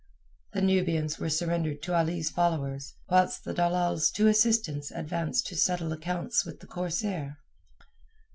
The Nubians were surrendered to Ali's followers, whilst the dalal's two assistants advanced to settle accounts with the corsair.